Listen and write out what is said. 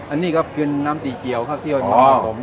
อันนี้ครับกินน้ำตีเกียวครับที่มันผสม